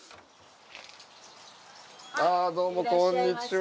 どうもこんにちは。